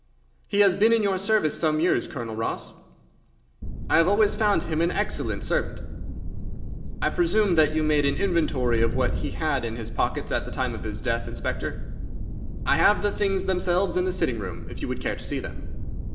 "He has been in your service some years, Colonel Ross?" "I have always found him an excellent servant." "I presume that you made an inventory of what he had in his pockets at the time of his death, Inspector?" "I have the things themselves in the sitting room, if you would care to see them."